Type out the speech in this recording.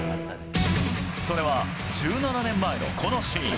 それは１７年前のこのシーン。